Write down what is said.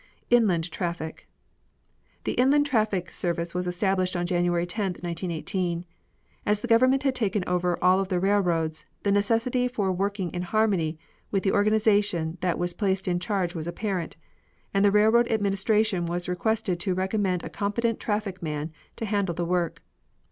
Inland Traffic. The inland traffic service was established on January 10, 1918. As the government had taken over all of the railroads, the necessity for working in harmony with the organization that was placed in charge was apparent, and the Railroad Administration was requested to recommend a competent traffic man to handle the work.